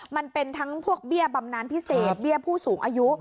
มันเป็นทั้งพวกเบี้ยบำนานพิเศษเบี้ยผู้สูงอายุ